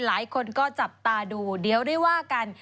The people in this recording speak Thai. หลายคนก็จับตาดูเดี๋ยวได้ว่ากัน